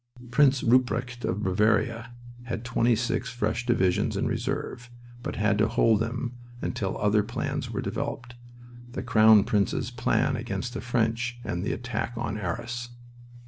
Prince Rupprecht of Bavaria had twenty six fresh divisions in reserve, but had to hold them until other plans were developed the Crown Prince's plan against the French, and the attack on Arras.